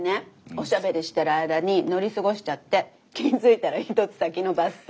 おしゃべりしてる間に乗り過ごしちゃって気付いたら１つ先のバス停。